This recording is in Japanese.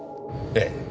ええ。